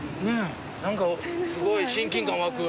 何かすごい親近感湧く。